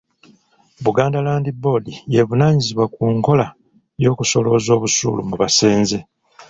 Buganda Land Board y'evunaanyizibwa ku nkola y'okusolooza obusuulu mu basenze.